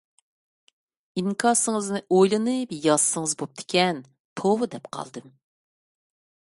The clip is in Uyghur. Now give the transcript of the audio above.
ئىنكاسىڭىزنى ئويلىنىپ يازسىڭىز بوپتىكەن، توۋا دەپ قالدىم.